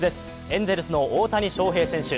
エンゼルスの大谷翔平選手。